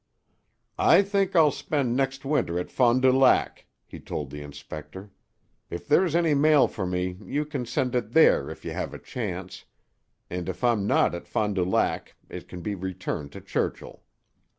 "I think I'll spend next winter at Fond du Lac," he told the inspector. "If there's any mail for me you can send it there if you have a chance, and if I'm not at Fond du Lac it can be returned to Churchill."